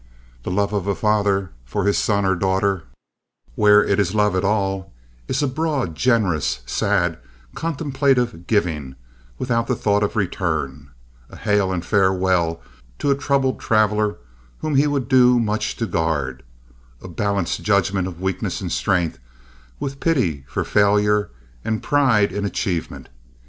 The love of a father for his son or daughter, where it is love at all, is a broad, generous, sad, contemplative giving without thought of return, a hail and farewell to a troubled traveler whom he would do much to guard, a balanced judgment of weakness and strength, with pity for failure and pride in achievement.